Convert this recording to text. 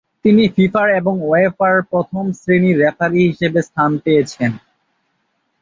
তিনি ফিফার এবং উয়েফার প্রথম শ্রেণির রেফারি হিসেবে স্থান পেয়েছেন।